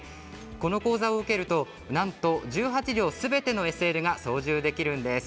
この講座を受けると、なんと１８両すべてのＳＬが操縦できるんです。